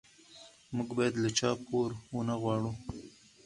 موږ باید له چا پور ونه غواړو.